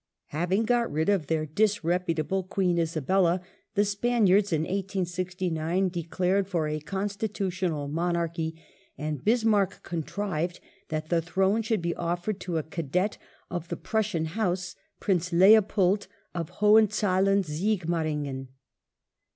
Having got rid of their disreputable Queen Isabella, the the Spaniards in 1869 declared for a Constitutional Monarchy, and Spanish Bismarck contrived that the throne should be offered to a cadet of the Prussian House, Prince Leopold of Hohenzollern Sigmaringen.